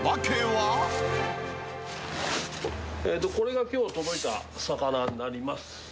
これがきょう届いた魚になります。